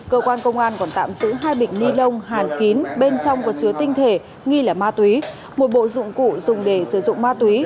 cơ quan công an còn tạm giữ hai bịch ni lông hàn kín bên trong có chứa tinh thể nghi là ma túy một bộ dụng cụ dùng để sử dụng ma túy